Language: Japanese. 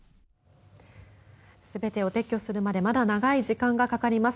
全てを撤去するまでまだ長い時間がかかります。